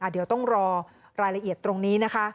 เดี๋ยวต้องรอรายละเอียดตรงนี้นะคะ